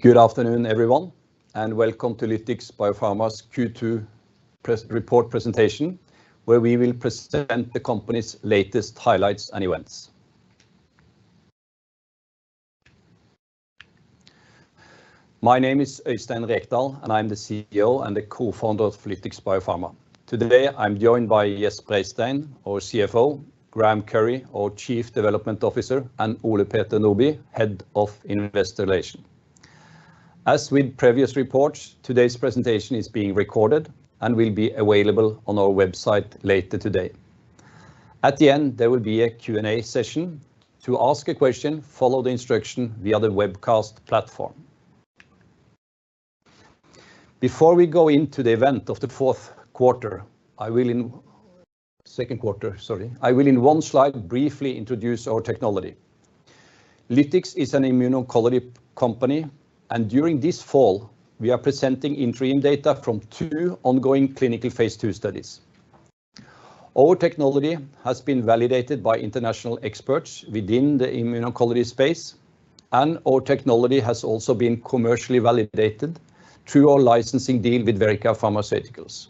Good afternoon, everyone, and welcome to Lytix Biopharma's Q2 press report presentation, where we will present the company's latest highlights and events. My name is Øystein Rekdal, and I'm the CEO and the co-founder of Lytix Biopharma. Today, I'm joined by Gjest Breistein, our CFO, Graeme Currie, our Chief Development Officer, and Ole Peter Nordby, Head of Investor Relations. As with previous reports, today's presentation is being recorded and will be available on our website later today. At the end, there will be a Q&A session. To ask a question, follow the instruction via the webcast platform. Before we go into the event of the fourth quarter, second quarter, sorry, I will in one slide briefly introduce our technology. Lytix is an immuno-oncology company, and during this fall, we are presenting interim data from two ongoing clinical phase II studies. Our technology has been validated by international experts within the immuno-oncology space, and our technology has also been commercially validated through our licensing deal with Verrica Pharmaceuticals.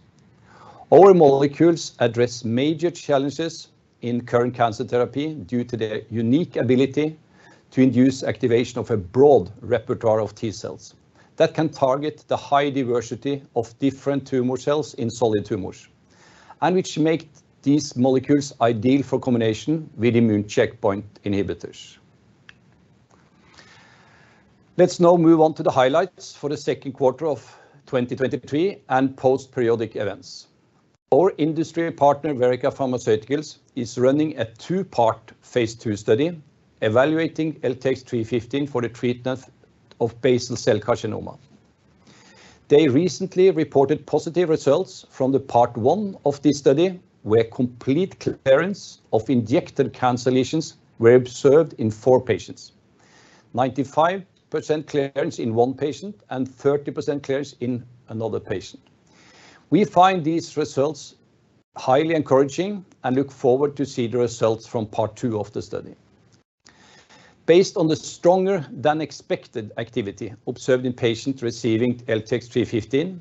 Our molecules address major challenges in current cancer therapy due to their unique ability to induce activation of a broad repertoire of T cells that can target the high diversity of different tumor cells in solid tumors, and which make these molecules ideal for combination with immune checkpoint inhibitors. Let's now move on to the highlights for the second quarter of 2023 and post-period events. Our industry partner, Verrica Pharmaceuticals, is running a two-part phase II study evaluating LTX-315 for the treatment of basal cell carcinoma. They recently reported positive results from part 1 of this study, where complete clearance of injected cancer lesions were observed in four patients, 95% clearance in one patient and 30% clearance in another patient. We find these results highly encouraging and look forward to see the results from part 2 of the study. Based on the stronger-than-expected activity observed in patients receiving LTX-315,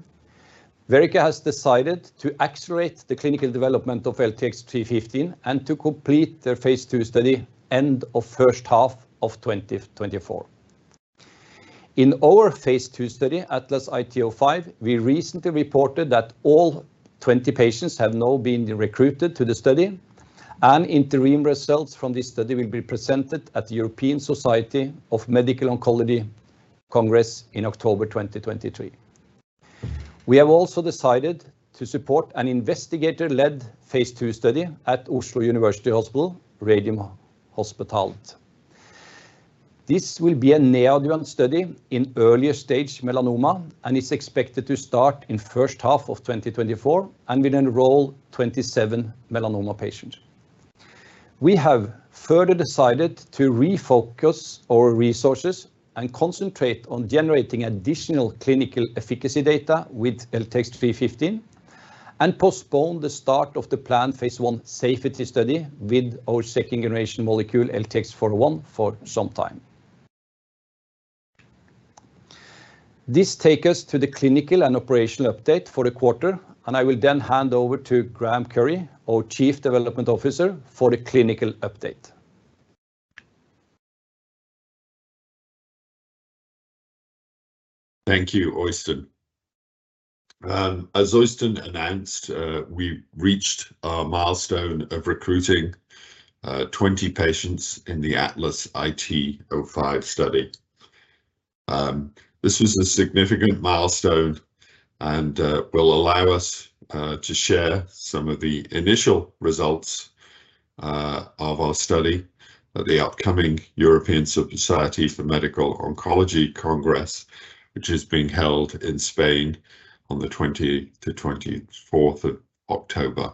Verrica has decided to accelerate the clinical development of LTX-315 and to complete their phase II study end of H1 of 2024. In our phase II study, ATLAS-IT-05, we recently reported that all 20 patients have now been recruited to the study, and interim results from this study will be presented at the European Society for Medical Oncology Congress in October 2023. We have also decided to support an investigator-led phase II study at Oslo University Hospital, Radiumhospitalet. This will be a neoadjuvant study in earlier-stage melanoma and is expected to start in H1 of 2024 and will enroll 27 melanoma patients. We have further decided to refocus our resources and concentrate on generating additional clinical efficacy data with LTX-315 and postpone the start of the planned phase I safety study with our second-generation molecule, LTX-401, for some time. This takes us to the clinical and operational update for the quarter, and I will then hand over to Graeme Currie, our Chief Development Officer, for the clinical update. Thank you, Øystein. As Øystein announced, we reached a milestone of recruiting 20 patients in the ATLAS-IT-05 study. This is a significant milestone and will allow us to share some of the initial results of our study at the upcoming European Society for Medical Oncology Congress, which is being held in Spain on the 20 to 24th of October.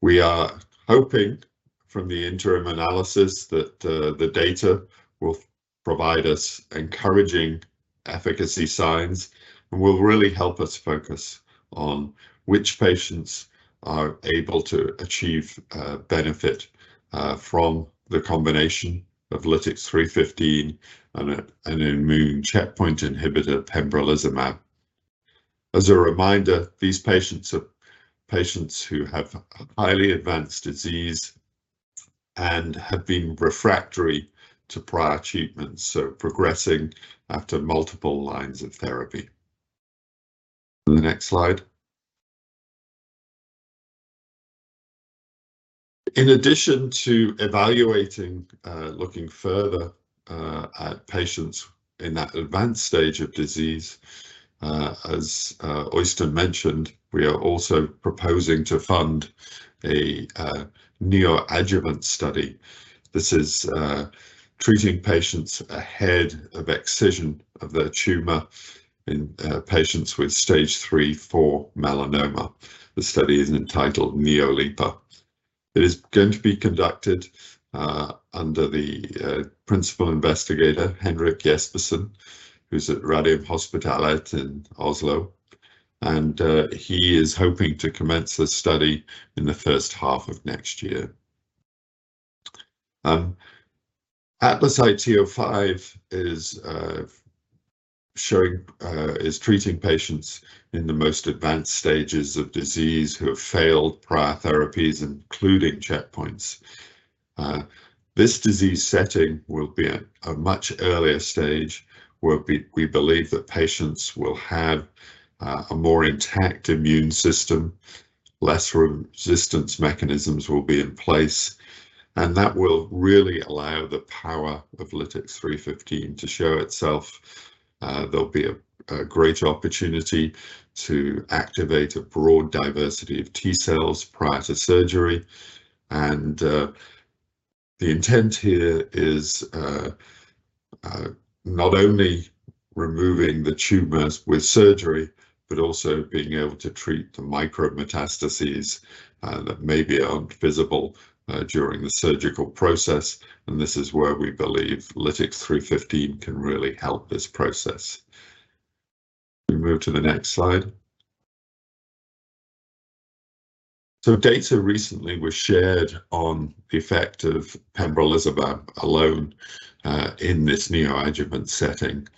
We are hoping from the interim analysis that the data will provide us encouraging efficacy signs and will really help us focus on which patients are able to achieve benefit from the combination of LTX-315 and an immune checkpoint inhibitor pembrolizumab. As a reminder, these patients are patients who have highly advanced disease and have been refractory to prior treatments, so progressing after multiple lines of therapy. The next slide. In addition to evaluating, looking further, at patients in that advanced stage of disease, as Øystein mentioned, we are also proposing to fund a neoadjuvant study. This is treating patients ahead of excision of their tumor in patients with Stage III-IV melanoma. The study is entitled NeoLIPA. It is going to be conducted under the principal investigator, Henrik Jespersen, who's at Radiumhospitalet in Oslo, and he is hoping to commence the study in the H1 of next year. ATLAS-IT-05 is showing is treating patients in the most advanced stages of disease who have failed prior therapies, including checkpoints. This disease setting will be at a much earlier stage, where we believe that patients will have a more intact immune system, less resistance mechanisms will be in place, and that will really allow the power of LTX-315 to show itself. There'll be a great opportunity to activate a broad diversity of T cells prior to surgery, and the intent here is not only removing the tumors with surgery, but also being able to treat the micrometastases that may be invisible during the surgical process, and this is where we believe LTX-315 can really help this process. Can we move to the next slide? So data recently was shared on the effect of pembrolizumab alone in this neoadjuvant setting.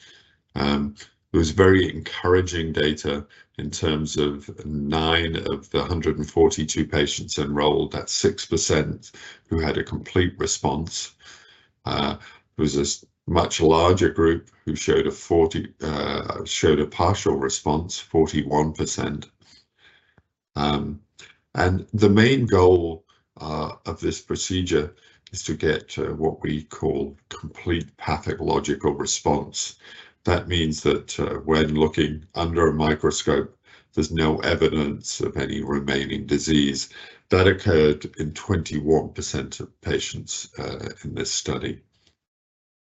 It was very encouraging data in terms of 9 of the 142 patients enrolled, that's 6%, who had a complete response. There was this much larger group who showed a partial response, 41%. And the main goal of this procedure is to get what we call complete pathological response. That means that when looking under a microscope, there's no evidence of any remaining disease. That occurred in 21% of patients in this study.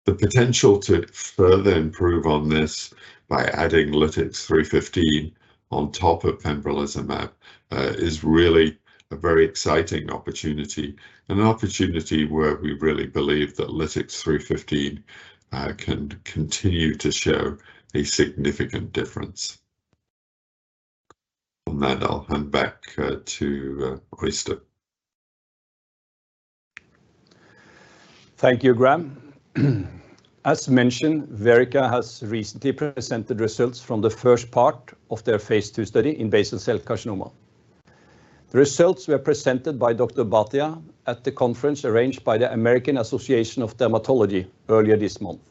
The potential to further improve on this by adding LTX-315 on top of pembrolizumab is really a very exciting opportunity, and an opportunity where we really believe that LTX-315 can continue to show a significant difference. From that, I'll hand back to Øystein. Thank you, Graeme. As mentioned, Verrica has recently presented results from the first part of their phase II study in basal cell carcinoma. The results were presented by Dr. Bhatia at the conference arranged by the American Association of Dermatology earlier this month.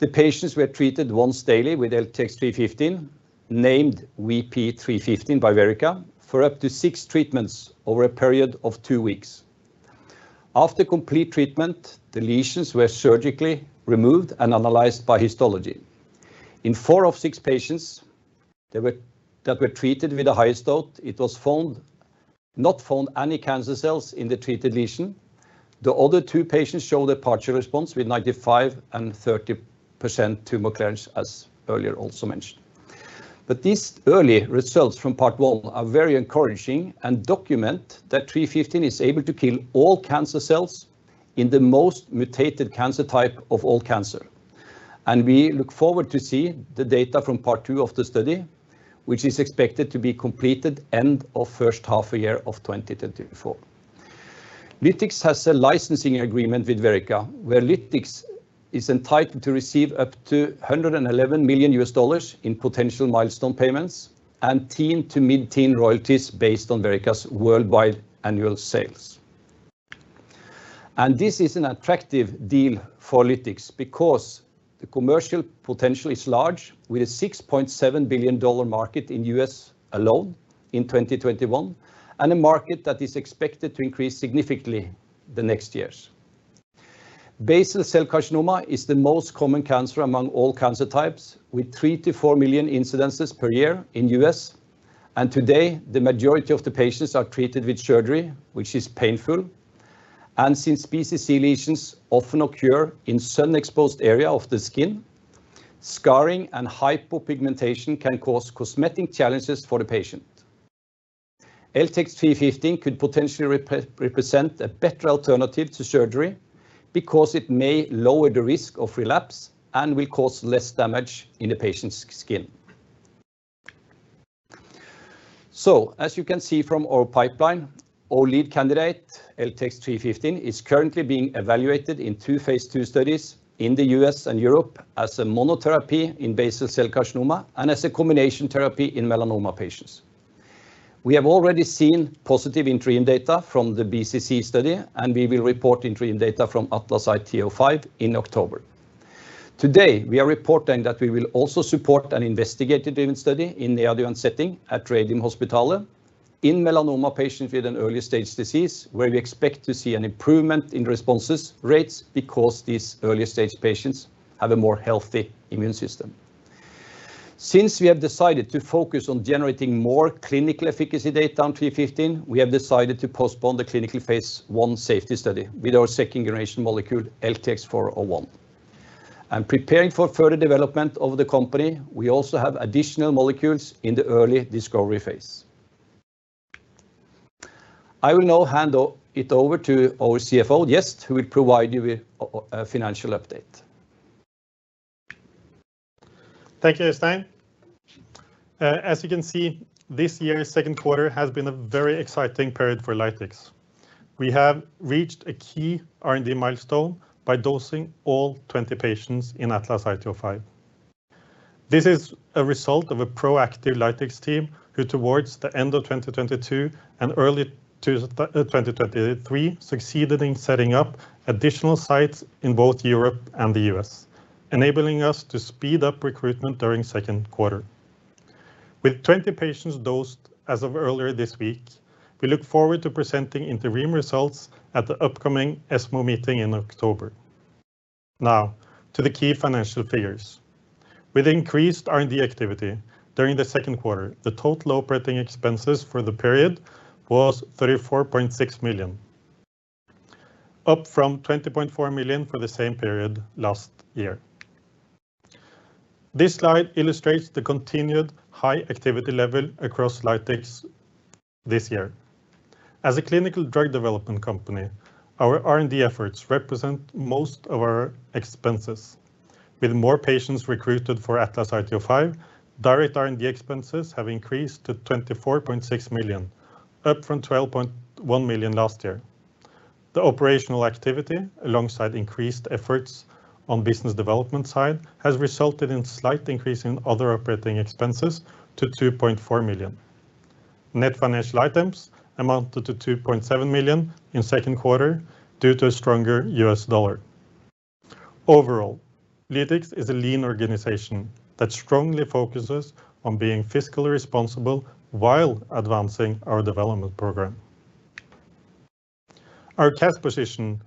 The patients were treated once daily with LTX-315, named VP-315 by Verrica, for up to 6 treatments over a period of 2 weeks. After complete treatment, the lesions were surgically removed and analyzed by histology. In 4 of 6 patients that were treated with the highest dose, no cancer cells were found in the treated lesion. The other two patients showed a partial response, with 95% and 30% tumor clearance, as earlier also mentioned. But these early results from part one are very encouraging and document that 315 is able to kill all cancer cells in the most mutated cancer type of all cancer. We look forward to see the data from part two of the study, which is expected to be completed end of H1 of 2024. Lytix has a licensing agreement with Verrica, where Lytix is entitled to receive up to $111 million in potential milestone payments, and teen to mid-teen royalties based on Verrica's worldwide annual sales. This is an attractive deal for Lytix because the commercial potential is large, with a $6.7 billion market in the U.S. alone in 2021, and a market that is expected to increase significantly the next years. Basal cell carcinoma is the most common cancer among all cancer types, with 3-4 million incidences per year in the U.S., and today the majority of the patients are treated with surgery, which is painful, and since BCC lesions often occur in sun-exposed area of the skin, scarring and hypopigmentation can cause cosmetic challenges for the patient. LTX-315 could potentially represent a better alternative to surgery because it may lower the risk of relapse and will cause less damage in the patient's skin. So as you can see from our pipeline, our lead candidate, LTX-315, is currently being evaluated in two phase II studies in the U.S. and Europe as a monotherapy in basal cell carcinoma and as a combination therapy in melanoma patients. We have already seen positive interim data from the BCC study, and we will report interim data from ATLAS-IT-05 in October. Today, we are reporting that we will also support an investigator-driven study in the adjuvant setting at Radiumhospitalet in melanoma patients with an early-stage disease, where we expect to see an improvement in response rates because these early-stage patients have a more healthy immune system. Since we have decided to focus on generating more clinical efficacy data on LTX-315, we have decided to postpone the clinical phase I safety study with our second-generation molecule, LTX-401. Preparing for further development of the company, we also have additional molecules in the early discovery phase... I will now hand it over to our CFO, Gjest, who will provide you with a financial update. Thank you, Øystein. As you can see, this year's second quarter has been a very exciting period for Lytix. We have reached a key R&D milestone by dosing all 20 patients in ATLAS-IT-05. This is a result of a proactive Lytix team, who, towards the end of 2022 and early 2023, succeeded in setting up additional sites in both Europe and the U.S., enabling us to speed up recruitment during second quarter. With 20 patients dosed as of earlier this week, we look forward to presenting interim results at the upcoming ESMO meeting in October. Now, to the key financial figures. With increased R&D activity during the second quarter, the total operating expenses for the period was 34.6 million, up from 20.4 million for the same period last year. This slide illustrates the continued high activity level across Lytix this year. As a clinical drug development company, our R&D efforts represent most of our expenses. With more patients recruited for ATLAS-IT-05, direct R&D expenses have increased to 24.6 million, up from 12.1 million last year. The operational activity, alongside increased efforts on business development side, has resulted in slight increase in other operating expenses to 2.4 million. Net financial items amounted to 2.7 million in second quarter, due to a stronger US dollar. Overall, Lytix is a lean organization that strongly focuses on being fiscally responsible while advancing our development program. Our cash position,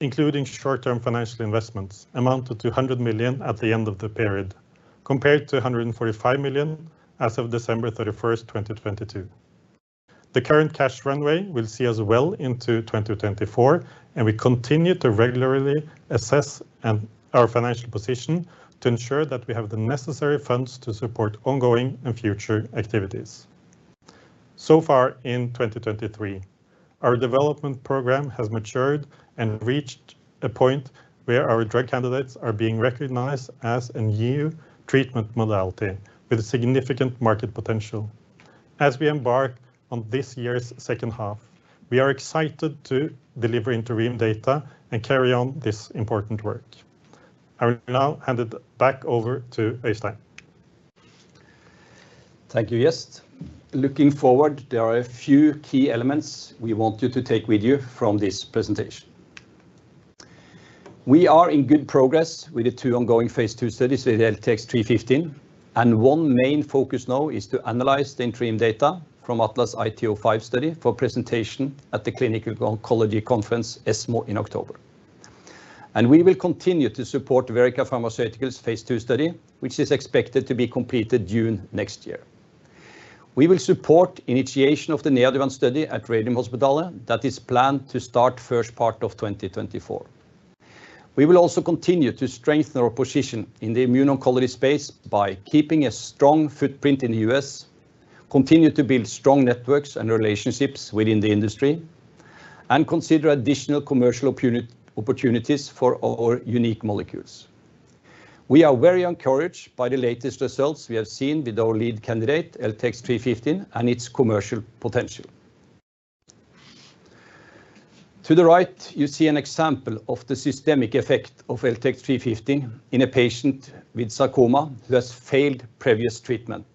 including short-term financial investments, amounted to 100 million at the end of the period, compared to 145 million as of December 31st, 2022. The current cash runway will see us well into 2024, and we continue to regularly assess and... our financial position to ensure that we have the necessary funds to support ongoing and future activities. So far in 2023, our development program has matured and reached a point where our drug candidates are being recognized as a new treatment modality with significant market potential. As we embark on this year's H2, we are excited to deliver interim data and carry on this important work. I will now hand it back over to Øystein. Thank you, Gjest. Looking forward, there are a few key elements we want you to take with you from this presentation. We are in good progress with the two ongoing phase II studies with LTX-315, and one main focus now is to analyze the interim data from ATLAS-IT-05 study for presentation at the Clinical Oncology Conference, ESMO, in October. We will continue to support Verrica Pharmaceuticals' phase II study, which is expected to be completed June next year. We will support initiation of the Neoadjuvant study at Radiumhospitalet that is planned to start first part of 2024. We will also continue to strengthen our position in the immuno-oncology space by keeping a strong footprint in the US, continue to build strong networks and relationships within the industry, and consider additional commercial opportunities for our unique molecules. We are very encouraged by the latest results we have seen with our lead candidate, LTX-315, and its commercial potential. To the right, you see an example of the systemic effect of LTX-315 in a patient with sarcoma who has failed previous treatment.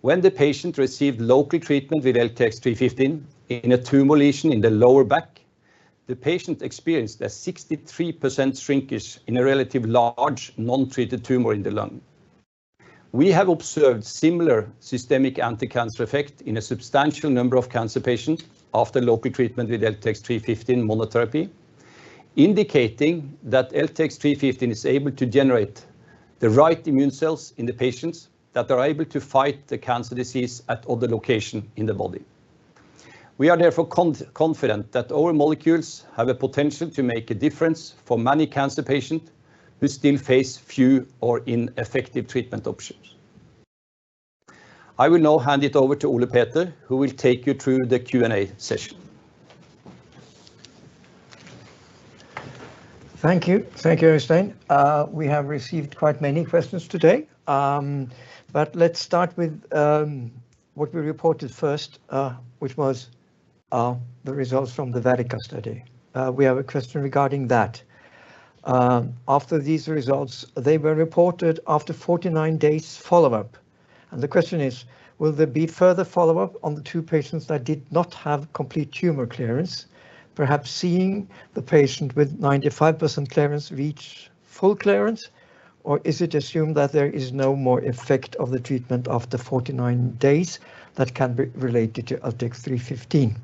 When the patient received local treatment with LTX-315 in a tumor lesion in the lower back, the patient experienced a 63% shrinkage in a relatively large non-treated tumor in the lung. We have observed similar systemic anti-cancer effect in a substantial number of cancer patients after local treatment with LTX-315 monotherapy, indicating that LTX-315 is able to generate the right immune cells in the patients that are able to fight the cancer disease at other location in the body. We are therefore confident that our molecules have a potential to make a difference for many cancer patient who still face few or ineffective treatment options. I will now hand it over to Ole Peter, who will take you through the Q&A session. Thank you. Thank you, Øystein. We have received quite many questions today, but let's start with what we reported first, which was the results from the Verrica study. We have a question regarding that. After these results, they were reported after 49 days follow-up, and the question is: Will there be further follow-up on the two patients that did not have complete tumor clearance, perhaps seeing the patient with 95% clearance reach full clearance? Or is it assumed that there is no more effect of the treatment after 49 days that can be related to LTX-315?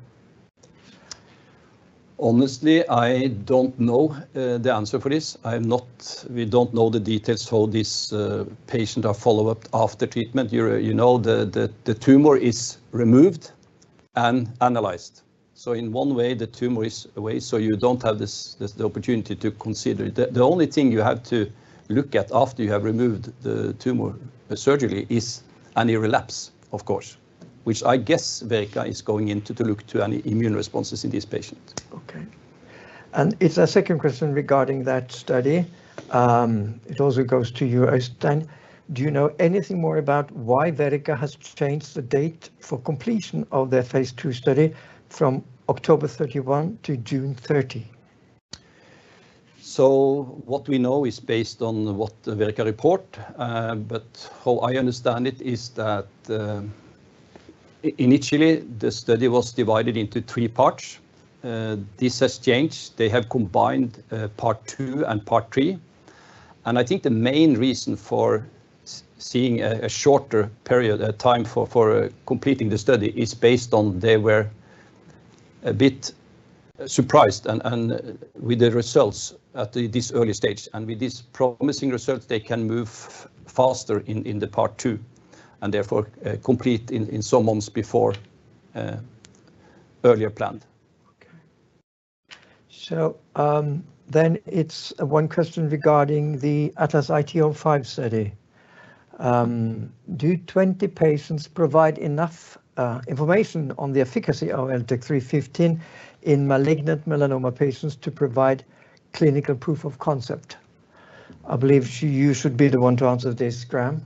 Honestly, I don't know the answer for this. We don't know the details how these patients are followed up after treatment. You know, the tumor is removed and analyzed, so in one way, the tumor is away, so you don't have the opportunity to consider it. The only thing you have to look at after you have removed the tumor surgically is any relapse, of course, which I guess Verrica is going into to look to any immune responses in these patients. Okay, it's a second question regarding that study. It also goes to you, Øystein. Do you know anything more about why Verrica has changed the date for completion of their phase II study from 31 October to 30 June? So what we know is based on what Verrica report, but how I understand it is that, initially, the study was divided into three parts. This has changed. They have combined part two and part three, and I think the main reason for seeing a shorter period time for completing the study is based on they were a bit surprised and with the results at this early stage, and with this promising result, they can move faster in the part two, and therefore, complete in some months before earlier planned. Okay. So, then it's one question regarding the ATLAS-IT-05 study. Do 20 patients provide enough information on the efficacy of LTX-315 in malignant melanoma patients to provide clinical proof of concept? I believe you should be the one to answer this, Graeme.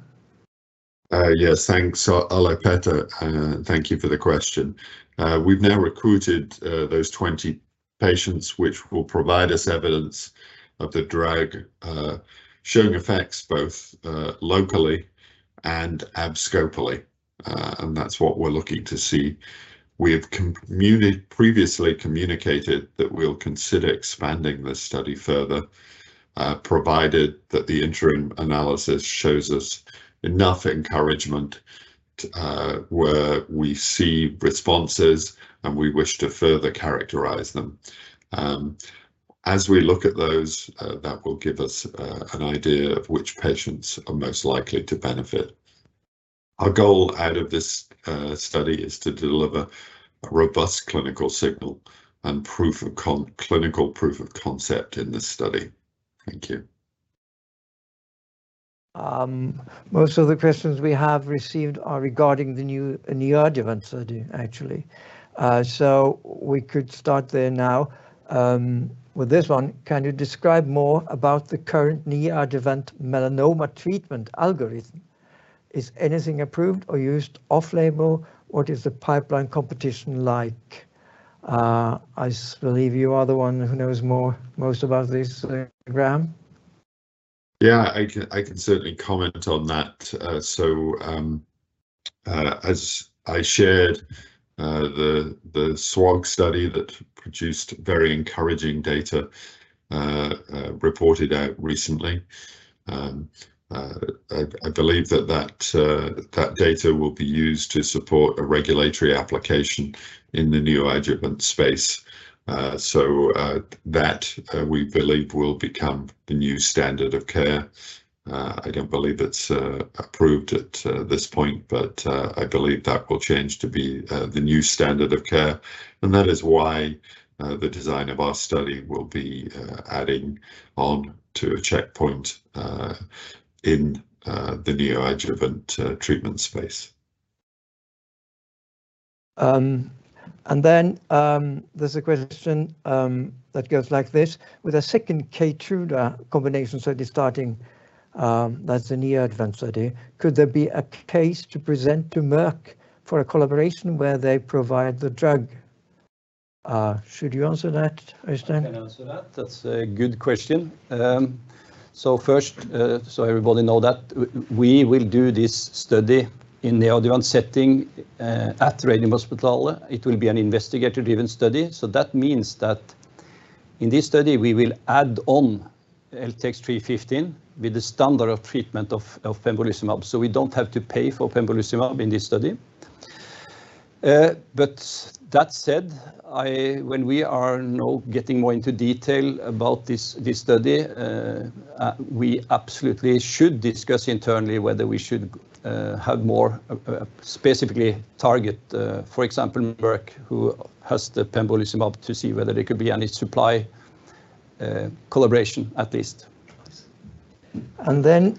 Yes, thanks, Ole Peter, and thank you for the question. We've now recruited those 20 patients, which will provide us evidence of the drug showing effects both locally and abscopally, and that's what we're looking to see. We have previously communicated that we'll consider expanding this study further, provided that the interim analysis shows us enough encouragement where we see responses, and we wish to further characterize them. As we look at those, that will give us an idea of which patients are most likely to benefit. Our goal out of this study is to deliver a robust clinical signal and clinical proof of concept in this study. Thank you. Most of the questions we have received are regarding the new neoadjuvant study, actually. So we could start there now, with this one: Can you describe more about the current neoadjuvant melanoma treatment algorithm? Is anything approved or used off-label? What is the pipeline competition like? I believe you are the one who knows more, most about this, Graeme. Yeah, I can, I can certainly comment on that. So, as I shared, the SWOG study that produced very encouraging data reported out recently. I believe that data will be used to support a regulatory application in the neoadjuvant space. So, we believe that will become the new standard of care. I don't believe it's approved at this point, but I believe that will change to be the new standard of care, and that is why the design of our study will be adding on to a checkpoint in the neoadjuvant treatment space. And then, there's a question that goes like this: With a second Keytruda combination study starting, that's a neoadjuvant study, could there be a case to present to Merck for a collaboration where they provide the drug? Should you answer that, Øystein? I can answer that. That's a good question. So first, so everybody know that we will do this study in the adjuvant setting, at Radiumhospitalet. It will be an investigator-driven study, so that means that in this study, we will add on LTX-315 with the standard of treatment of pembrolizumab, so we don't have to pay for pembrolizumab in this study. But that said, I... when we are now getting more into detail about this, this study, we absolutely should discuss internally whether we should have more, specifically target, for example, Merck, who has the pembrolizumab, to see whether there could be any supply, collaboration at least. And then,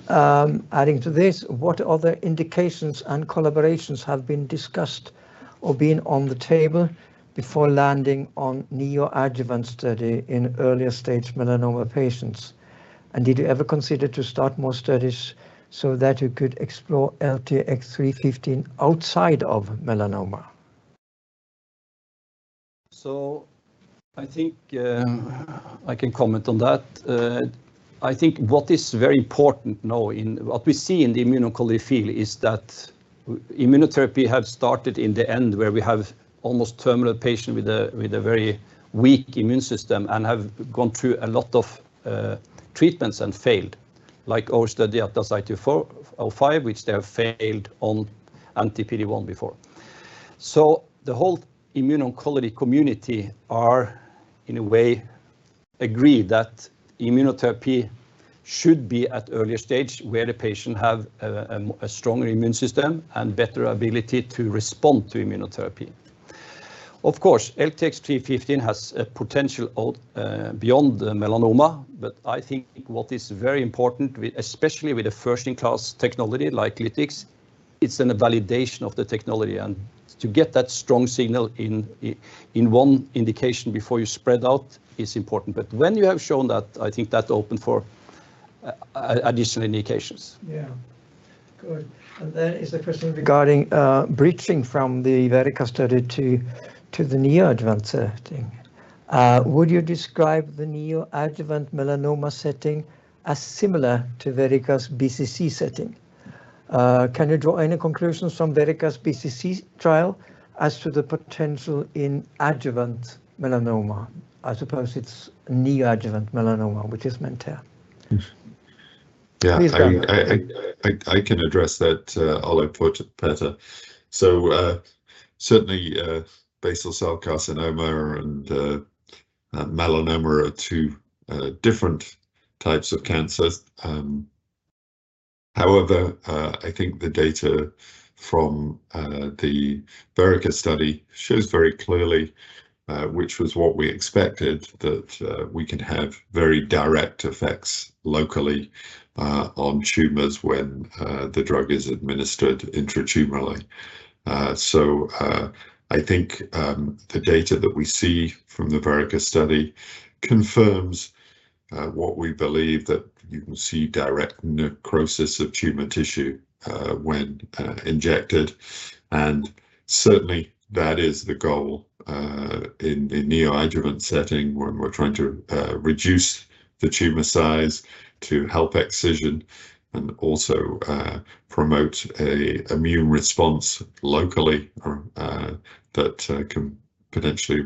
adding to this, what other indications and collaborations have been discussed or been on the table before landing on neoadjuvant study in earlier-stage melanoma patients? And did you ever consider to start more studies so that you could explore LTX-315 outside of melanoma? So I think, I can comment on that. I think what is very important now in what we see in the immuno field is that immunotherapy have started in the end, where we have almost terminal patient with a, with a very weak immune system and have gone through a lot of, treatments and failed, like our study, ATLAS-IT-05, which they have failed on anti-PD-1 before. So the whole immuno-oncology community are, in a way, agreed that immunotherapy should be at earlier stage, where the patient have a, a stronger immune system and better ability to respond to immunotherapy. Of course, LTX-315 has a potential out beyond the melanoma. But I think what is very important with, especially with a first-in-class technology like Lytix, it's in the validation of the technology, and to get that strong signal in one indication before you spread out is important. But when you have shown that, I think that's open for a additional indications. Yeah. Good. And there is a question regarding, breaching from the Verrica study to, to the neoadjuvant setting. Would you describe the neoadjuvant melanoma setting as similar to Verrica's BCC setting? Can you draw any conclusions from Verrica's BCC trial as to the potential in adjuvant melanoma? I suppose it's neoadjuvant melanoma, which is meant here. Yes. Please, Graeme. Yeah, I can address that, although for Peter. So, certainly, basal cell carcinoma and melanoma are two different types of cancers. However, I think the data from the Verrica study shows very clearly, which was what we expected, that we can have very direct effects locally on tumors when the drug is administered intratumorally. So, I think the data that we see from the Verrica study confirms what we believe, that you can see direct necrosis of tumor tissue when injected. Certainly, that is the goal in neoadjuvant setting, when we're trying to reduce the tumor size to help excision and also promote an immune response locally, or that can potentially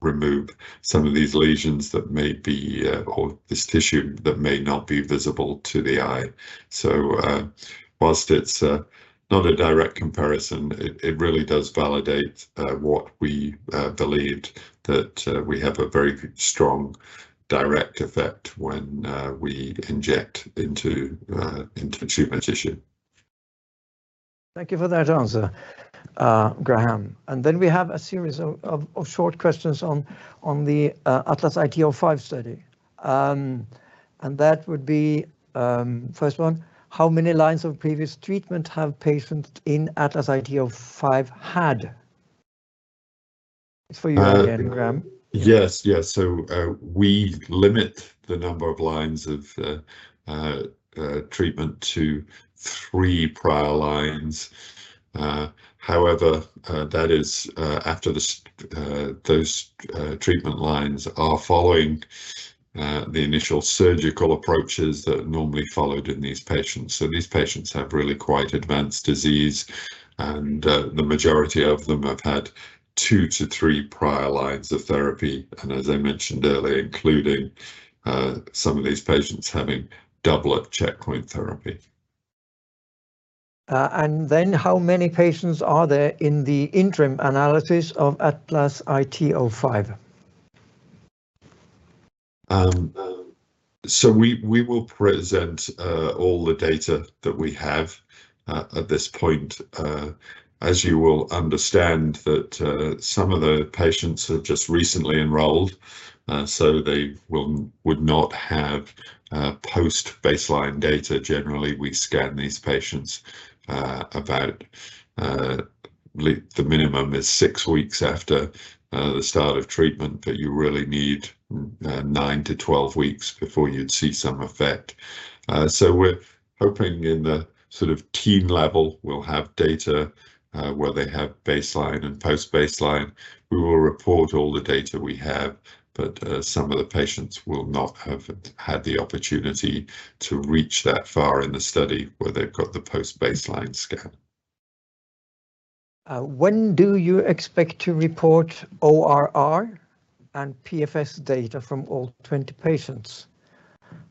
remove some of these lesions that may be or this tissue that may not be visible to the eye. So, while it's not a direct comparison, it really does validate what we believed, that we have a very strong, direct effect when we inject into the tumor tissue. Thank you for that answer, Graeme. And then we have a series of short questions on the ATLAS-IT-05 study. And that would be first one, how many lines of previous treatment have patients in ATLAS-IT-05 had? It's for you again, Graeme. Yes, yes. We limit the number of lines of treatment to three prior lines. However, that is after those treatment lines are following the initial surgical approaches that are normally followed in these patients. These patients have really quite advanced disease, and the majority of them have had two to three prior lines of therapy, and as I mentioned earlier, including some of these patients having doublet checkpoint therapy. And then, how many patients are there in the interim analysis of ATLAS-IT-05? So we will present all the data that we have at this point. As you will understand, that some of the patients have just recently enrolled, so they would not have post-baseline data. Generally, we scan these patients about the minimum is 6 weeks after the start of treatment, but you really need 9-12 weeks before you'd see some effect. So we're hoping in the sort of teen level, we'll have data where they have baseline and post-baseline. We will report all the data we have, but some of the patients will not have had the opportunity to reach that far in the study where they've got the post-baseline scan. When do you expect to report ORR and PFS data from all 20 patients?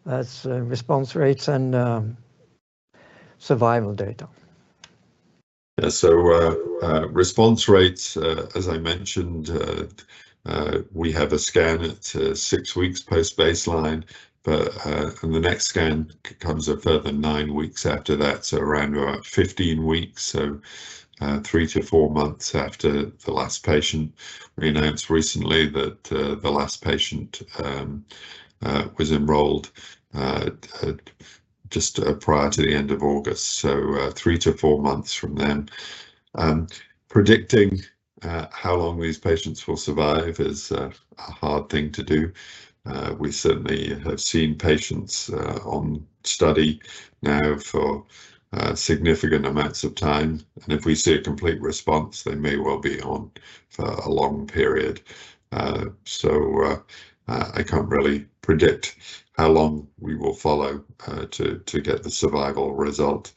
That's response rates and survival data. Yeah, so response rates, as I mentioned, we have a scan at 6 weeks post-baseline, and the next scan comes a further 9 weeks after that, so around about 15 weeks. So, 3-4 months after the last patient. We announced recently that the last patient was enrolled just prior to the end of August, so 3-4 months from then. Predicting how long these patients will survive is a hard thing to do. We certainly have seen patients on study now for significant amounts of time, and if we see a complete response, they may well be on for a long period. So, I can't really predict how long we will follow to get the survival result.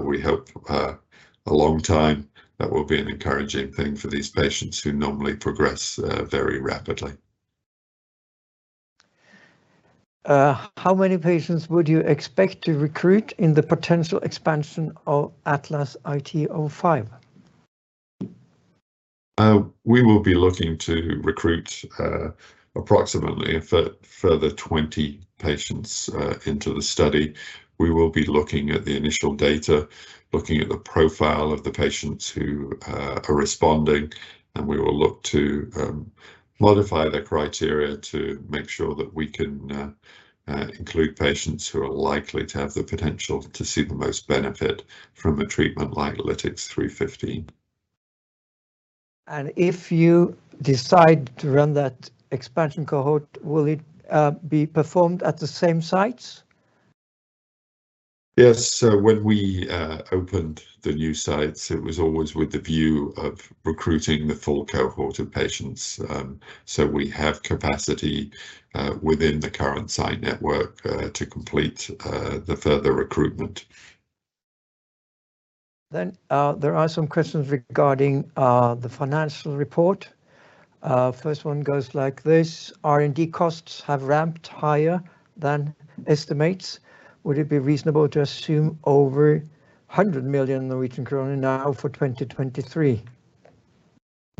We hope, a long time. That will be an encouraging thing for these patients who normally progress very rapidly. How many patients would you expect to recruit in the potential expansion of ATLAS-IT-05?... We will be looking to recruit approximately a further 20 patients into the study. We will be looking at the initial data, looking at the profile of the patients who are responding, and we will look to modify the criteria to make sure that we can include patients who are likely to have the potential to see the most benefit from a treatment like LTX-315. If you decide to run that expansion cohort, will it be performed at the same sites? Yes. So when we opened the new sites, it was always with the view of recruiting the full cohort of patients. So we have capacity within the current site network to complete the further recruitment. There are some questions regarding the financial report. First one goes like this: R&D costs have ramped higher than estimates. Would it be reasonable to assume over 100 million Norwegian krone now for 2023?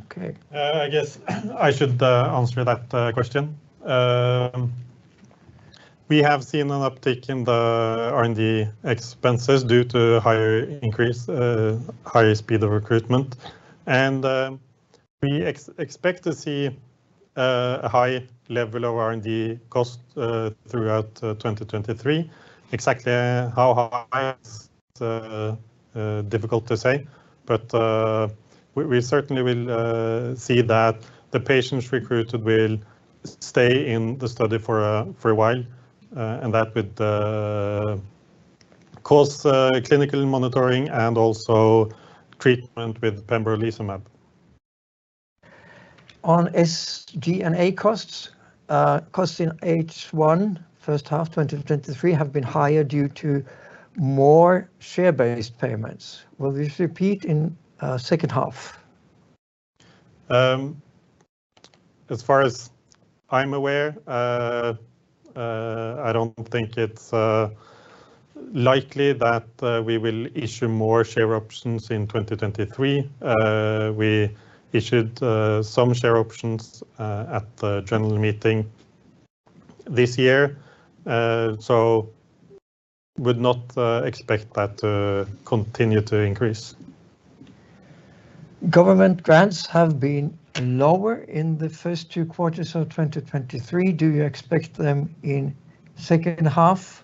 Okay. I guess I should answer that question. We have seen an uptick in the R&D expenses due to higher increase, higher speed of recruitment, and we expect to see a high level of R&D cost throughout 2023. Exactly how high is difficult to say, but we certainly will see that the patients recruited will stay in the study for a while, and that with cause clinical monitoring and also treatment with pembrolizumab. On SG&A costs, costs in H1, H1 2023, have been higher due to more share-based payments. Will this repeat in H2? As far as I'm aware, I don't think it's likely that we will issue more share options in 2023. We issued some share options at the general meeting this year, so would not expect that continue to increase. Government grants have been lower in the first two quarters of 2023. Do you expect them in H2,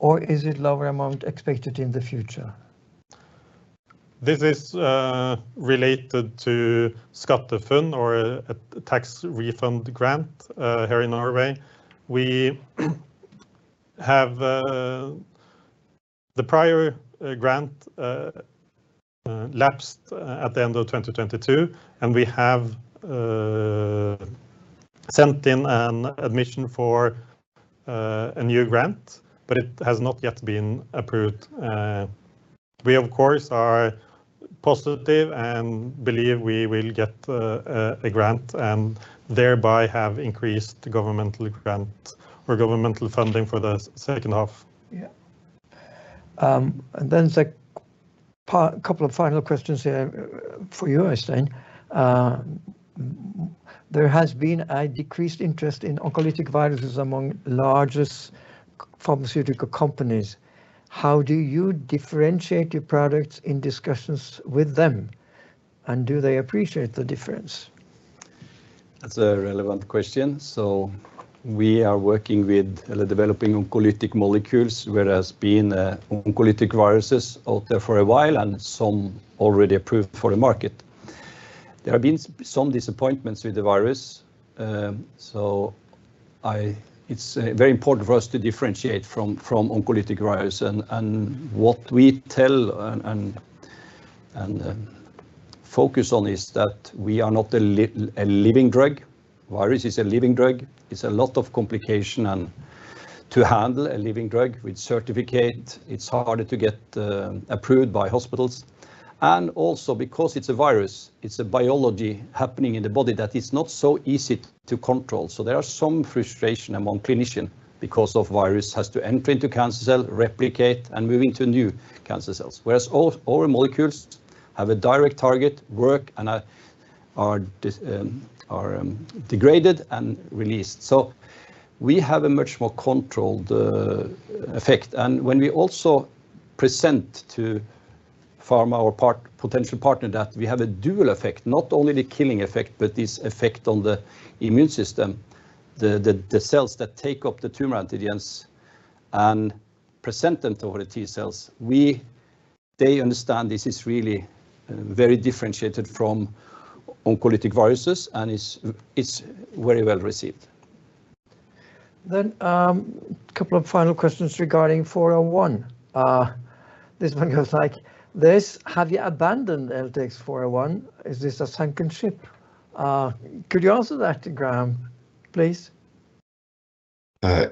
or is it lower amount expected in the future? This is related to SkatteFUNN, or a tax refund grant here in Norway. We have the prior grant lapsed at the end of 2022, and we have sent in an admission for a new grant, but it has not yet been approved. We of course are positive and believe we will get a grant and thereby have increased governmental grants or governmental funding for the H2. Yeah. And then the couple of final questions here for you, Øystein. There has been a decreased interest in oncolytic viruses among largest pharmaceutical companies. How do you differentiate your products in discussions with them, and do they appreciate the difference? That's a relevant question. So we are working with the developing oncolytic molecules, whereas being oncolytic viruses out there for a while and some already approved for the market. There have been some disappointments with the virus. So it's very important for us to differentiate from oncolytic virus. And what we tell and focus on is that we are not a living drug. Virus is a living drug. It's a lot of complication, and to handle a living drug with certificate, it's harder to get approved by hospitals. And also, because it's a virus, it's a biology happening in the body that is not so easy to control. So there are some frustration among clinician because of virus has to enter into cancer cell, replicate, and moving to new cancer cells, whereas all molecules have a direct target, work, and are degraded and released. So we have a much more controlled effect. And when we also present to pharma or potential partner, that we have a dual effect, not only the killing effect, but this effect on the immune system, the cells that take up the tumor antigens and present them to the T-cells, they understand this is really very differentiated from oncolytic viruses, and it's very well received. Then, couple of final questions regarding 401. This one goes like this: Have you abandoned LTX-401? Is this a sunken ship? Could you answer that, Graeme, please?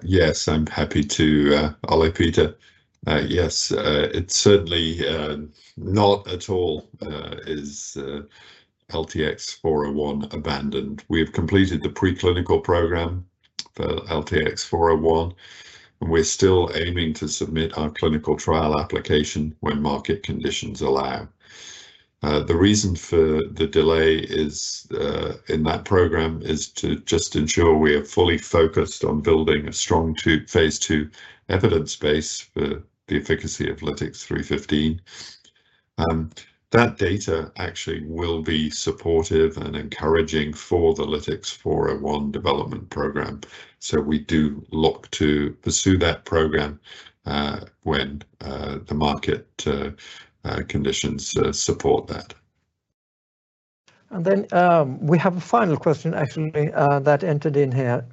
Yes, I'm happy to, Ole Peter. Yes, it's certainly not at all LTX-401 abandoned. We have completed the preclinical program, the LTX-401, and we're still aiming to submit our clinical trial application when market conditions allow. The reason for the delay in that program is to just ensure we are fully focused on building a strong phase II evidence base for the efficacy of LTX-315. That data actually will be supportive and encouraging for the LTX-401 development program, so we do look to pursue that program, when the market conditions support that. Then, we have a final question actually that entered in here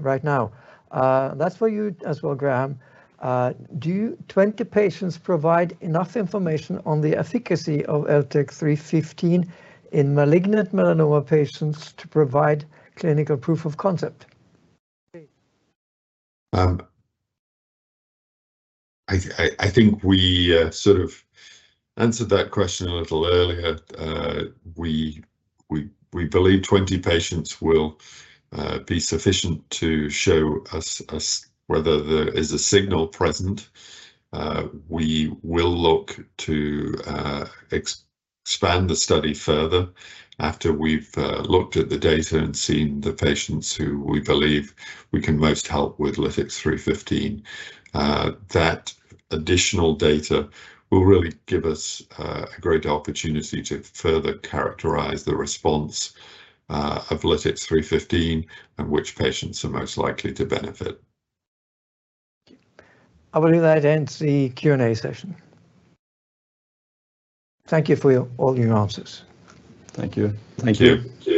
right now. That's for you as well, Graeme. Do 20 patients provide enough information on the efficacy of LTX-315 in malignant melanoma patients to provide clinical proof of concept? I think we sort of answered that question a little earlier. We believe 20 patients will be sufficient to show us whether there is a signal present. We will look to expand the study further after we've looked at the data and seen the patients who we believe we can most help with LTX-315. That additional data will really give us a great opportunity to further characterize the response of LTX-315, and which patients are most likely to benefit. I will do that and end the Q&A session. Thank you for all your answers. Thank you. Thank you.